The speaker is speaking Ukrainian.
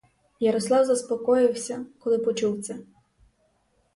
Ярослав заспокоївся, коли почув це.